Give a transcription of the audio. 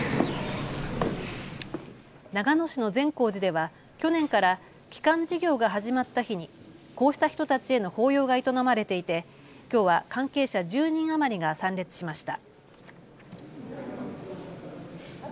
長野市の善光寺では去年から帰還事業が始まった日にこうした人たちへの法要が営まれていてきょうは関係者１０人余りが参列しました。